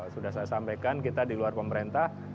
sudah saya sampaikan kita di luar pemerintah